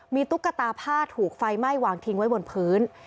มีตุ๊กตาผ้าถูกไฟไหม้วางทิ้งไว้บนพื้น